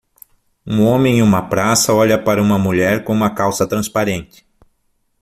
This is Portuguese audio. Um homem em uma praça olha para uma mulher com uma calça transparente.